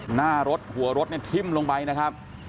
หน้ารถหัวรถเนี่ยทิ้มลงไปนะครับ